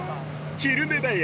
昼寝だよ。